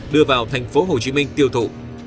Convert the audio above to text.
đưa vào thành phố hồ chí minh tiêu thụ